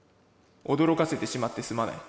「驚かせてしまってすまない」。